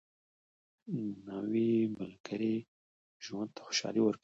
نوې ملګرې ژوند ته خوشالي ورکوي